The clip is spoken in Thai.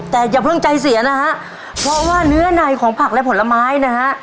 แต่อย่าเพิ่งใจเสียนะฮะเพราะว่าเนื้อในของผักและผลไม้นะฮะ